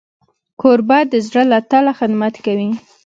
کوربه د زړه له تله خدمت کوي.